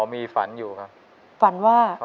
อ๋อมีฝันอยู่ครับ